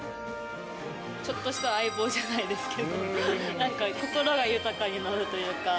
ちょっとした相棒じゃないですけど、なんか、心が豊かになるというか。